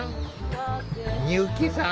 美由紀さん